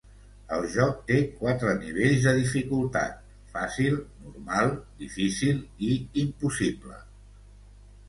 El joc té quatre nivells de dificultat: fàcil, normal, difícil i impossible.